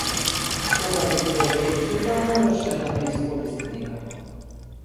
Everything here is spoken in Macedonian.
Кога веќе бев тука мораше да ме искористи некако.